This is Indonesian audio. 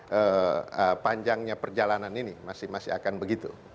jadi panjangnya perjalanan ini masih akan begitu